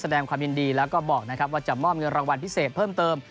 แสดงความยินดีแล้วก็บอกนะครับว่าจะมอบเงินรางวัลพิเศษเพิ่มเติม